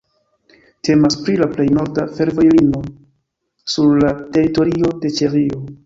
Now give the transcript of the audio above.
Temas pri la plej norda fervojlinio sur la teritorio de Ĉeĥio.